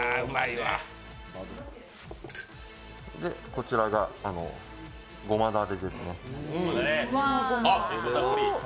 こちらがごまだれですね。